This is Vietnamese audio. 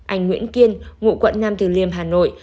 anh nguyễn kiên ngụ quận nam từ liêm hà nội